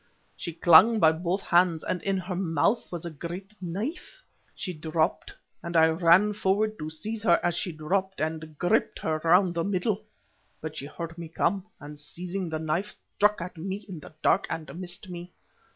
She clung by both hands, and in her mouth was a great knife. She dropped, and I ran forward to seize her as she dropped, and gripped her round the middle. But she heard me come, and, seizing the knife, struck at me in the dark and missed me.